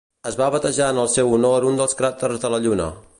Es va batejar en el seu honor un dels cràters de la Lluna.